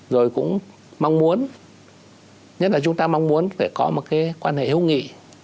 rồi cũng mong muốn nhất là chúng ta mong muốn phải có một cái quan hệ hữu nghị